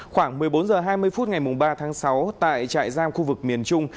khoảng một mươi bốn h hai mươi phút ngày ba tháng sáu tại trại giam khu vực miền trung